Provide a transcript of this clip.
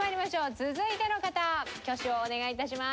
続いての方挙手をお願いいたします。